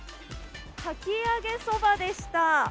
かき揚げそばでした。